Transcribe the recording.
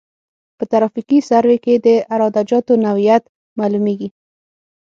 په ترافیکي سروې کې د عراده جاتو نوعیت معلومیږي